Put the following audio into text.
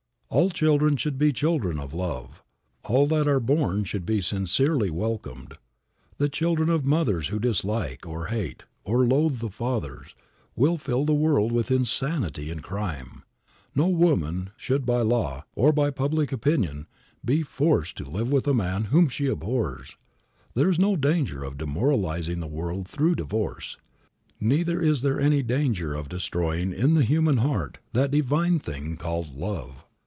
All children should be children of love. All that are born should be sincerely welcomed. The children of mothers who dislike, or hate, or loathe the fathers, will fill the world with insanity and crime. No woman should by law, or by public opinion, be forced to live with a man whom she abhors. There is no danger of demoralizing the world through divorce. Neither is there any danger of destroying in the human heart that divine thing called love.